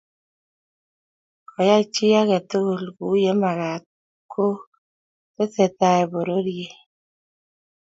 ngo yai chi age tugul kuye magat ko tesetai pororiet.